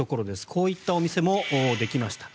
こういったお店もできました。